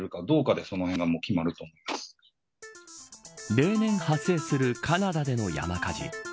例年発生するカナダでの山火事。